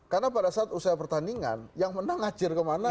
karena pada saat usaha pertandingan yang menang ngacir kemana